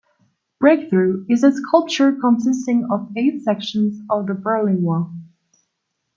"Breakthrough" is a sculpture consisting of eight sections of the Berlin Wall.